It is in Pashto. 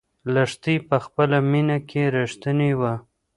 لښتې په خپله مینه کې رښتینې وه.